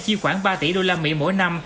chi khoảng ba tỷ usd mỗi năm